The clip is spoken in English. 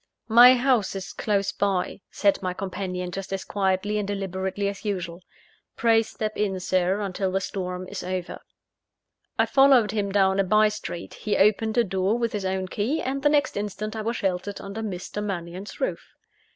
"My house is close by," said my companion, just as quietly and deliberately as usual "pray step in, Sir, until the storm is over." I followed him down a bye street; he opened a door with his own key; and the next instant I was sheltered under Mr. Mannion's roof.